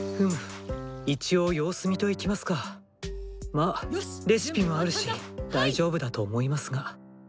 まあレシピもあるし大丈夫だと思いますが。